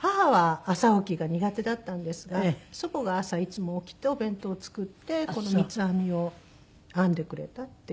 母は朝起きが苦手だったんですが祖母が朝いつも起きてお弁当作ってこの三つ編みを編んでくれたっていう。